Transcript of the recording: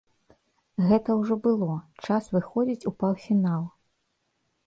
Гэта ўжо было, час выходзіць у паўфінал.